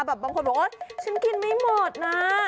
บางคนบอกว่าฉันกินไม่หมดนะ